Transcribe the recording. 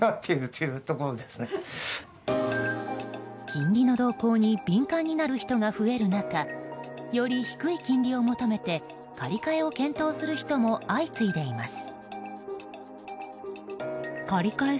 金利の動向に敏感になる人が増える中より低い金利を求めて借り換えを検討する人も相次いでいます。